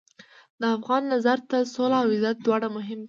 د افغان نظر ته سوله او عزت دواړه مهم دي.